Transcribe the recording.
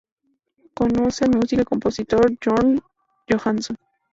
Conoce al músico y compositor Björn Johansson.